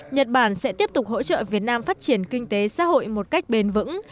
nhật bản sẽ tiếp tục hỗ trợ việt nam phát triển kinh tế xã hội một cách bền vững